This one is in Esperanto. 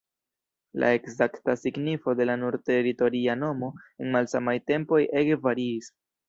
La ekzakta signifo de la nur teritoria nomo en malsamaj tempoj ege variis.